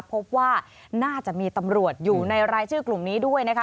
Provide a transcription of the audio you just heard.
พบว่าน่าจะมีตำรวจอยู่ในรายชื่อกลุ่มนี้ด้วยนะคะ